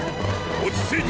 落ち着いて！